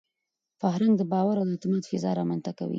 فرهنګ د باور او اعتماد فضا رامنځته کوي.